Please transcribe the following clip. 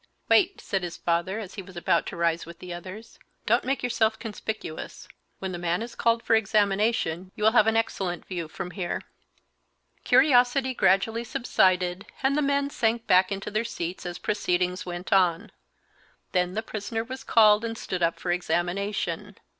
"Wait," said his father, as he was about to rise with the others; "don't make yourself conspicuous; when the man is called for examination you will have an excellent view from here." Curiosity gradually subsided, and the men sank back into their seats as proceedings went on. Then the prisoner was called and stood up for examination.